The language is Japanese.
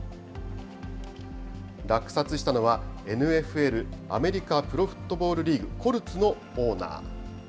落札したのは、ＮＦＬ・アメリカプロフットボールリーグ・コルツのオーナー。